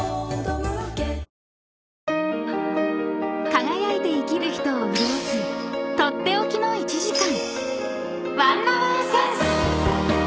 ［輝いて生きる人を潤す取って置きの１時間］